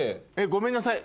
ごめんなさい。